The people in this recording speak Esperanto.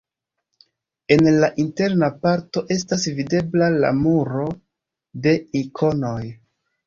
En la interna parto esta videbla la muro de ikonoj.